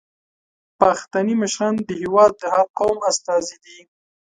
پښتني مشران د هیواد د هر قوم استازي دي.